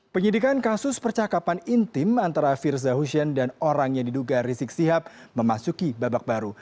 penyidikan kasus percakapan intim antara firza hussein dan orang yang diduga rizik sihab memasuki babak baru